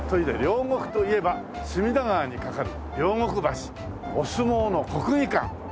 両国といえば隅田川に架かる両国橋お相撲の国技館。